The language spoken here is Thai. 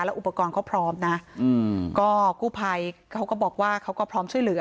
อุปกรณ์เขาพร้อมนะก็กู้ภัยเขาก็บอกว่าเขาก็พร้อมช่วยเหลือ